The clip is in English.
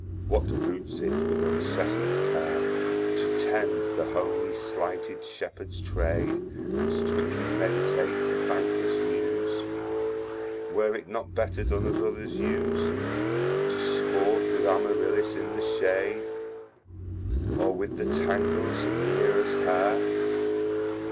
What boots it with uncessant care To tend the homely slighted Shepherds trade, And strictly meditate the thankles Muse, Were it not better don as others use, To sport with Amaryllis in the shade, Or with the tangles of Neaera's hair?